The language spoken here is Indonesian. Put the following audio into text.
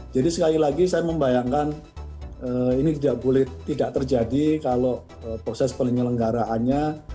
jadi sekali lagi saya membayangkan ini tidak boleh tidak terjadi kalau proses penyelenggaraannya